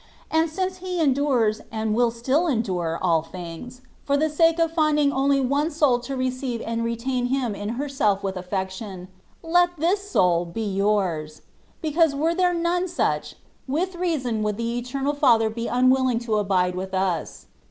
And since He endures, and wUl still endure, aU things, for the sake of finding only one soul to receive and retain Him in herself with affection, let this soul be yours : because were there none such, with reason would the Eternal Father be unwilling to abide with us.